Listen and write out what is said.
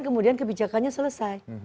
kemudian kebijakannya selesai